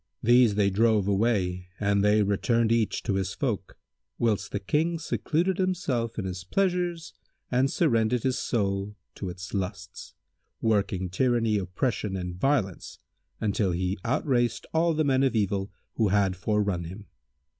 These they drove away and they returned each to his folk, whilst the King secluded himself with his pleasures and surrendered his soul to its lusts, working tyranny, oppression and violence, till he outraced all the men of evil who had forerun him.